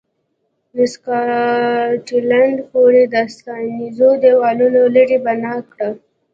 د سکاټلند پورې د ساتنیزو دېوالونو لړۍ بنا کړه.